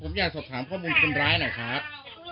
ครับผมผมอยากสอบถามข้อมูลคนร้ายนะครับ